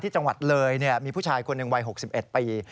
จังหวัดเลยมีผู้ชายคนหนึ่งวัย๖๑ปี